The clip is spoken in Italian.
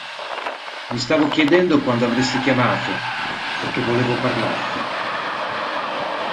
Mi stavo chiedendo quando avresti chiamato perché volevo parlarti.